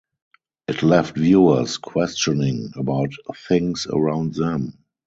It left viewers questioning about things around them.